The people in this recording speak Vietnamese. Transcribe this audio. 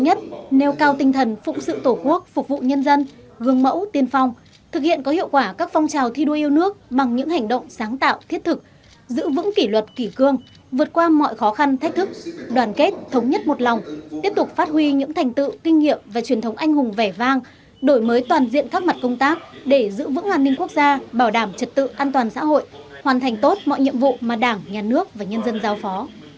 nêu cao tinh thần phụng sự tổ quốc phục vụ nhân dân gương mẫu tiên phong thực hiện có hiệu quả các phong trào thi đua yêu nước bằng những hành động sáng tạo thiết thực giữ vững kỷ luật kỷ cương vượt qua mọi khó khăn thách thức đoàn kết thống nhất một lòng tiếp tục phát huy những thành tựu kinh nghiệm và truyền thống anh hùng vẻ vang đổi mới toàn diện các mặt công tác để giữ vững an ninh quốc gia bảo đảm trật tự an toàn xã hội hoàn thành tốt mọi nhiệm vụ mà đảng nhà nước và nhân dân giao phó